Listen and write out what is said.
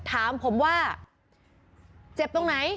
ถามผมว่าเจ็บตรงไหน